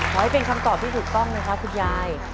ให้เป็นคำตอบที่ถูกต้องนะครับคุณยาย